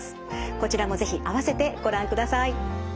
こちらも是非あわせてご覧ください。